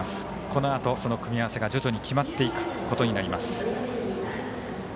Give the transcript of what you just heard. このあと、その組み合わせが徐々に決まっていく形となります。